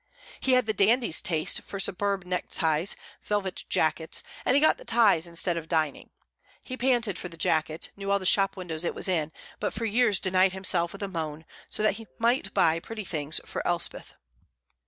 He had the dandy's tastes for superb neckties, velvet jackets, and he got the ties instead of dining; he panted for the jacket, knew all the shop windows it was in, but for years denied himself, with a moan, so that he might buy pretty things for Elspeth.